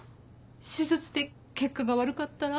手術で結果が悪かったら。